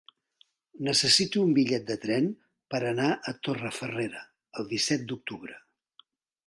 Necessito un bitllet de tren per anar a Torrefarrera el disset d'octubre.